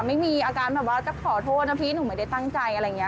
ไม่มีอาการแบบว่าจะขอโทษนะพี่หนูไม่ได้ตั้งใจอะไรอย่างนี้